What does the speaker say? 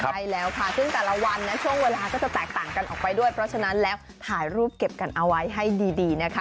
ใช่แล้วค่ะซึ่งแต่ละวันนะช่วงเวลาก็จะแตกต่างกันออกไปด้วยเพราะฉะนั้นแล้วถ่ายรูปเก็บกันเอาไว้ให้ดีนะคะ